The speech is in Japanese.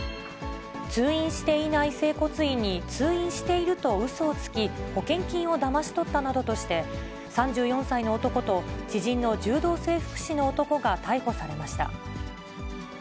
通院していない整骨院に通院しているとうそをつき、保険金をだまし取ったなどとして、３４歳の男と、知人の柔道整復師の男が逮捕されました。